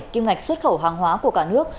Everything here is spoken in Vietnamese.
kim ngạch xuất khẩu hàng hóa của cả nước